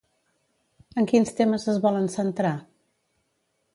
En quins temes es volen centrar?